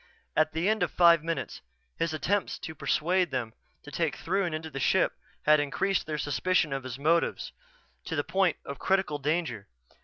At the end of five minutes his attempts to persuade them to take Throon into the ship had increased their suspicion of his motives to the point of critical danger.